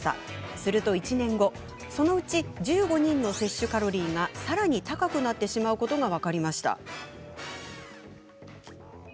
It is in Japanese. すると１年後そのうち１５人の摂取カロリーがさらに高くなってしまうことが分かりました。